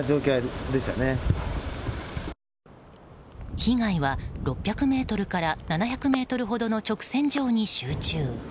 被害は６００ｍから７００ｍほどの直線状に集中。